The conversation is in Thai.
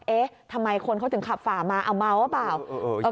เอ๊ะทำไมคนเขาถึงขับฝ่ามาเอาเมาหรือเปล่า